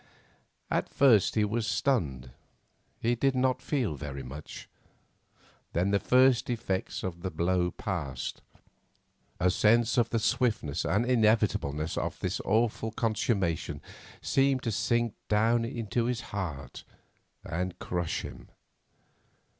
At first he was stunned; he did not feel very much. Then the first effects of the blow passed; a sense of the swiftness and inevitableness of this awful consummation seemed to sink down into his heart and crush him.